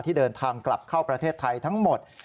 ที่เดินทางกลับเข้าประเทศไทยทั้งหมด